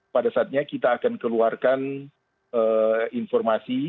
pada saatnya kita akan keluarkan informasi